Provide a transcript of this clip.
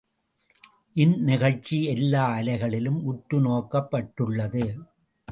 இந்நிகழ்ச்சி எல்லா அலைகளிலும் உற்று நோக்கப்பட்டுள்ளது.